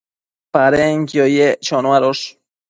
Padenquio yec choanosh